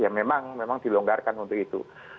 ya memang dilonggarkan untuk itu